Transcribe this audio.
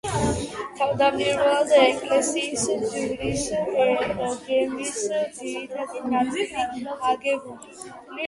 თავდაპირველად ეკლესიის ჯვრის გეგმის ძირითადი ნაწილია აგებული.